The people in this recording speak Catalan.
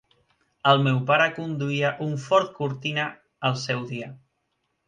El meu pare conduïa un Ford Cortina el seu dia.